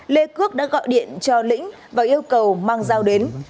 lê cước đã gọi điện cho lĩnh và yêu cầu mang giao đến